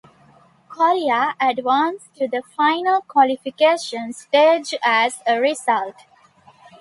Korea advanced to the final qualification stage as a result.